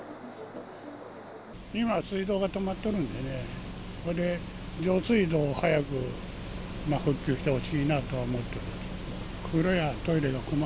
今、水道が止まっとるんでね、上水道早く復旧してほしいなとは思ってる。